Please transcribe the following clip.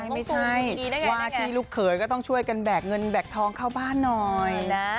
ไม่ใช่ว่าที่ลูกเขยก็ต้องช่วยกันแบกเงินแบกทองเข้าบ้านหน่อยนะ